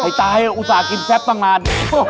ไอ้ทายครับอุตส่าห์กินแฟลปตั้งนาน